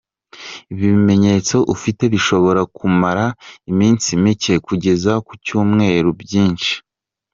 Ibi bimenyetso ubifite bishobora kumara iminsi micye kugeza ku byumweru byinshi.